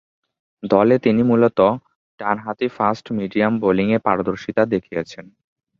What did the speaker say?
দলে তিনি মূলতঃ ডানহাতি ফাস্ট-মিডিয়াম বোলিংয়ে পারদর্শীতা দেখিয়েছেন।